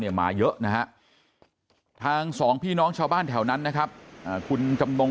มาเยอะนะฮะทางสองพี่น้องชาวบ้านแถวนั้นนะครับคุณจำนง